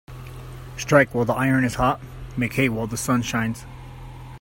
Strike while the iron is hot Make hay while the sun shines